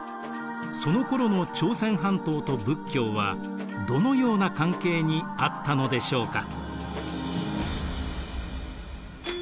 そのころの朝鮮半島と仏教はどのような関係にあったのでしょうか。